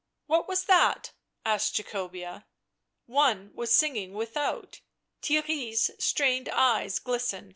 ..." f< What was that ?" asked Jacobea. One was singing without : Theirry's strained eyes glistened.